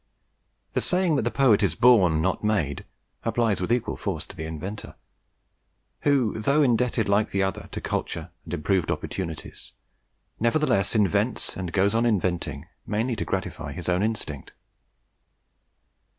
The saying that the poet is born, not made, applies with equal force to the inventor, who, though indebted like the other to culture and improved opportunities, nevertheless invents and goes on inventing mainly to gratify his own instinct.